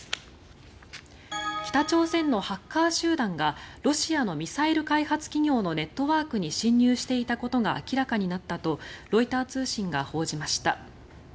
北朝鮮のハッカー集団がロシアのミサイル開発企業のネットワークに侵入していたことが明らかになったとロイター通信が報じました。